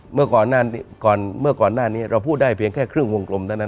เมื่อก่อนเมื่อก่อนหน้านี้เราพูดได้เพียงแค่ครึ่งวงกลมเท่านั้น